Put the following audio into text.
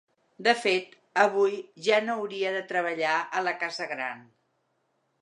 De fet, avui ja no hauria de treballar a la casa gran.